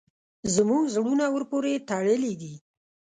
زموږ زړونه ورپورې تړلي دي.